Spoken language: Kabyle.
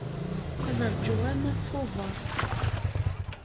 Ad rǧuɣ arma d Tuber.